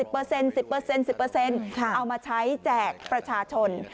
๑๐เปอร์เซ็นต์เอามาใช้แจกประชาชน